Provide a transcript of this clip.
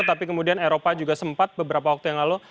tapi kemudian eropa juga sempat beberapa waktu yang lalu